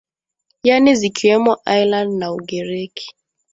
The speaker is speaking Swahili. yaani zikiwemo ireland na ugiriki